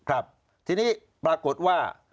ครับทีนี้ปรากฏว่า